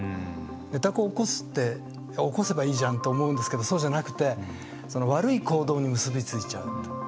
寝た子を起こすって、起こせばいいじゃんって思うんですけどそうじゃなくて悪い行動に結び付いちゃう。